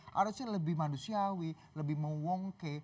harusnya lebih manusiawi lebih mewongke